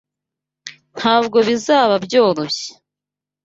Thntabwo bizaba byoroshye.